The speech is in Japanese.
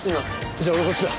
じゃあ俺はこっちだ。